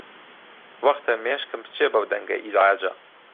وەختە مێشکم بچێ بەو دەنگە ئیزعاجە.